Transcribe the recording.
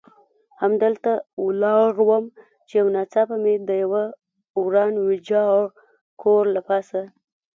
همدلته ولاړ وم، چې یو ناڅاپه مې د یوه وران ویجاړ کور له پاسه.